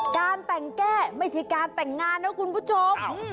การแต่งแก้ไม่ใช่การแต่งงานนะคุณผู้ชม